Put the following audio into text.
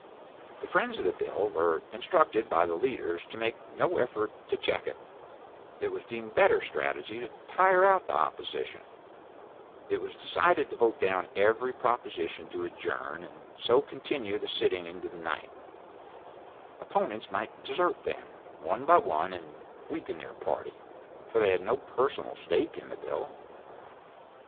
The friends of the bill were instructed by the leaders to make no effort to check it; it was deemed better strategy to tire out the opposition; it was decided to vote down every proposition to adjourn, and so continue the sitting into the night; opponents might desert, then, one by one and weaken their party, for they had no personal stake in the bill.